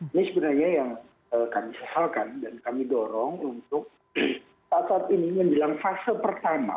ini sebenarnya yang kami sesalkan dan kami dorong untuk saat saat ini menjelang fase pertama